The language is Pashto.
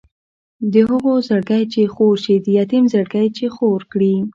د هغو زړګی چې خور شي د یتیم زړګی چې خور کړي.